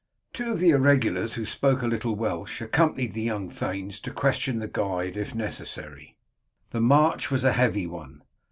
Two of the irregulars who spoke a little Welsh accompanied the young thanes to question the guide if necessary. The march was a heavy one.